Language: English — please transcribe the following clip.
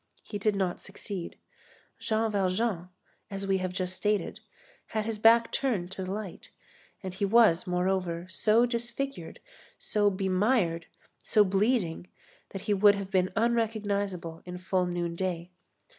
He did not succeed. Jean Valjean, as we have just stated, had his back turned to the light, and he was, moreover, so disfigured, so bemired, so bleeding that he would have been unrecognizable in full noonday.